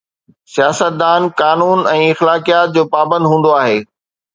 سياستدان قانون ۽ اخلاقيات جو پابند هوندو آهي.